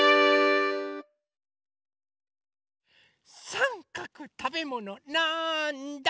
さんかくたべものなんだ？